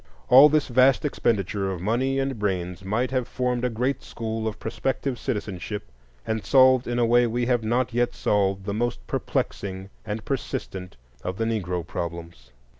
All this vast expenditure of money and brains might have formed a great school of prospective citizenship, and solved in a way we have not yet solved the most perplexing and persistent of the Negro problems.